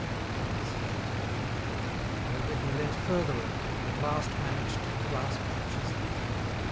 At this he felt confused; however, he leant further over, and at last managed to grasp the chisel.